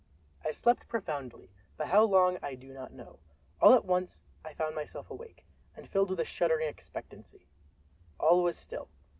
I slept profoundly, but how long I do not know. All at once I found myself awake, and filled with a shuddering expectancy. All was still.